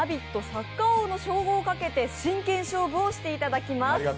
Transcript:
サッカー王の称号をかけて真剣勝負をしていただきます。